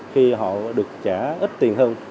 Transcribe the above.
khi họ được trả ít tiền hơn